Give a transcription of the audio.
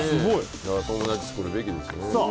友達作るべきですよね。